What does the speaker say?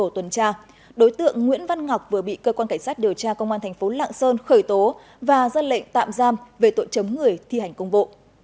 đối tượng nguyễn văn ngọc vừa bị cơ quan cảnh sát điều tra công an thành phố lạng sơn khởi tố và ra lệnh tạm giam về tội chấm người thi hành công vụ